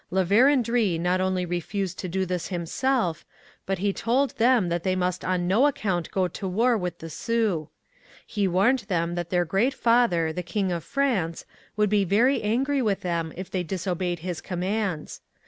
La Vérendrye not only refused to do this himself, but he told them that they must on no account go to war with the Sioux. He warned them that their Great Father, the king of France, would be very angry with them if they disobeyed his commands.